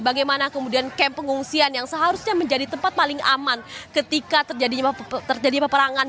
bagaimana kemudian kamp pengungsian yang seharusnya menjadi tempat paling aman ketika terjadi peperangan